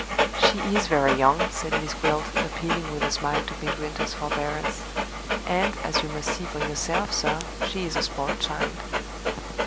"She is very young," said Miss Gwilt, appealing with a smile to Midwinter's forbearance; "and, as you must see for yourself, sir, she is a spoiled child."